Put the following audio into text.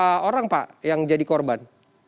berapa orang pak yang jadi korban